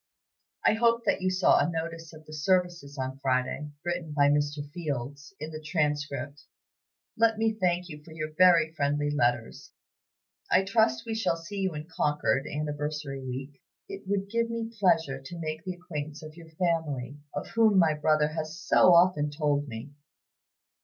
I hope that you saw a notice of the services on Friday, written by Mr. Fields, in the 'Transcript.' "Let me thank you for your very friendly letters. I trust we shall see you in Concord, Anniversary Week. It would give me pleasure to make the acquaintance of your family, of whom my brother has so often told me.